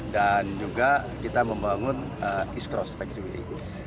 dan juga kita membangun east cross taxiway